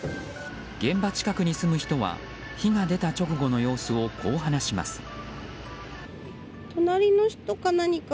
現場近くに住む人は火が出た直後の様子をこう話します。